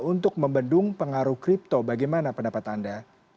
untuk membendung pengaruh crypto bagaimana pendapat anda